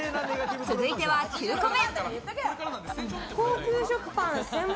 続いては９個目。